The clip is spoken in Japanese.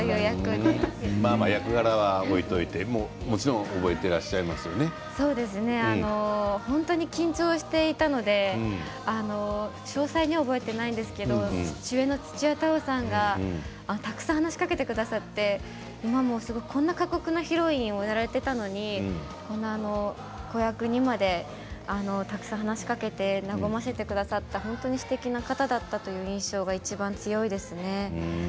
役柄は置いておいてもちろん本当に緊張していたので詳細には覚えていないんですけれど主演の土屋太鳳さんがたくさん話しかけてくださってこんな過酷なヒロインをやられていたのに子役にまでたくさん話しかけて和ませてくださって本当にすてきな方だったという印象がいちばん強いですね。